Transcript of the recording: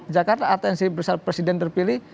jakarta atensi besar presiden terpilih